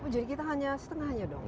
jadi kita hanya setengahnya dong